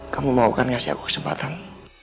kamu mau kan ngasih aku kesempatan